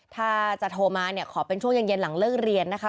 ถ้าจะโทรมาเนี่ยขอเป็นช่วงเย็นหลังเลิกเรียนนะคะ